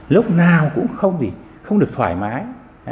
lúc nào cũng không được thoải mái